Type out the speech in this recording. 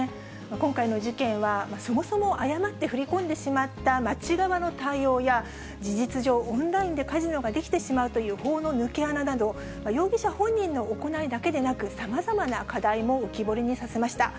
今回の事件は、そもそも誤って振り込んでしまった町側の対応や事実上、オンラインでカジノができてしまうという法の抜け穴など、容疑者本人の行いだけでなく、さまざまな課題も浮き彫りにさせました。